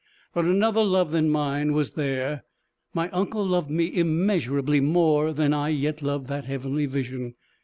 But another love than mine was there: my uncle loved me immeasurably more than I yet loved that heavenly vision.